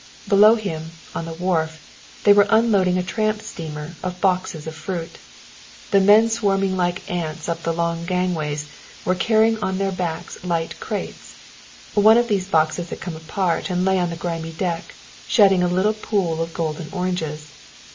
Below him, on the wharf, they were unloading a tramp steamer of boxes of fruit. The men swarming like ants up the long gangways were carrying on their backs light crates. One of these boxes had come apart and lay on the grimy deck shedding a little pool of golden oranges.